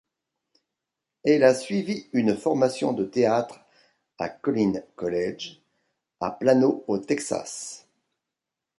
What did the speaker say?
Elle a suivi une formation de théâtre à Collin College à Plano aux Texas.